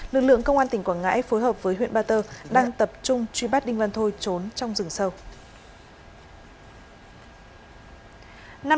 lực lượng công an tỉnh quảng ngãi phối hợp với huyện ba tơ đang tập trung truy bắt đinh văn thôi trốn trong rừng sâu